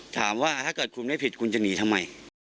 ถ้าเกิดคุณไม่ผิดคุณจะหนีทำไม